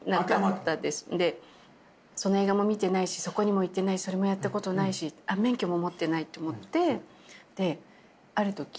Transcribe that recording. その映画も見てないしそこにも行ってないしそれもやったことないし免許も持ってないと思ってであるとき